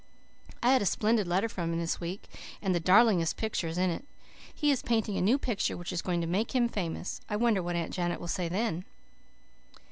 I had a splendid letter from him this week, with the darlingest pictures in it. He is painting a new picture which is going to make him famous. I wonder what Aunt Janet will say then.